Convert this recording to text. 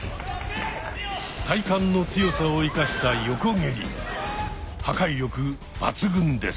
体幹の強さを生かした破壊力抜群です。